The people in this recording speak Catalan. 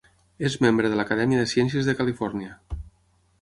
És membre de l'Acadèmia de Ciències de Califòrnia.